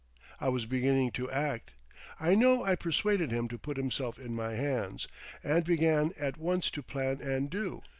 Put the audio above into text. I was beginning to act. I know I persuaded him to put himself in my hands, and began at once to plan and do.